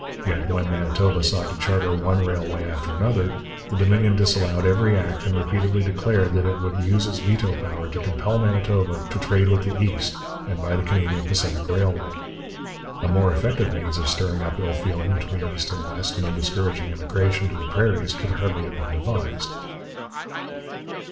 Yet when Manitoba sought to charter one railway after another, the Dominion disallowed every act and repeatedly declared that it would use its veto power to compel Manitoba to trade with the East and by the Canadian Pacific Railway. A more effective means of stirring up ill feeling between East and West and of discouraging immigration to the prairies could hardly have been devised.